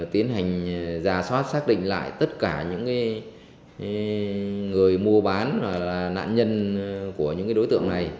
tiến hành giả soát xác định lại tất cả những người mua bán là nạn nhân của những đối tượng này